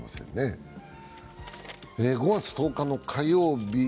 ５月１０日の火曜日。